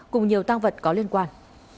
cùng nhiều tăng vật có liên quan